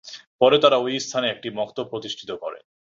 পরে তারা ঐ স্থানে একটি ছোট "মক্তব" প্রতিষ্ঠিত করেন।